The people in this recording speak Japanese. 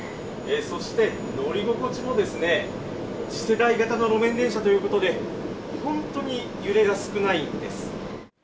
そして、乗り心地も、次世代型の路面電車ということで、本当に揺れが少ないんです。